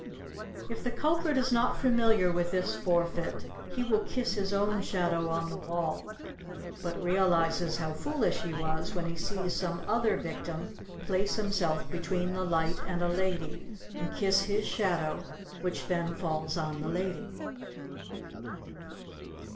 If the culprit is not familiar with this forfeit he will kiss his own shadow on the wall, but realizes how foolish he was when he sees some other victim place himself between the light and a lady and kiss his shadow which then falls on the lady.